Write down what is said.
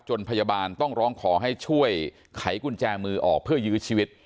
พยาบาลต้องร้องขอให้ช่วยไขกุญแจมือออกเพื่อยื้อชีวิต